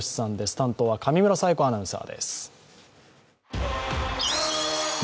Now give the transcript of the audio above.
担当は上村彩子アナウンサーです。